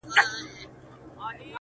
څوك دي د جاناني كيسې نه كوي!!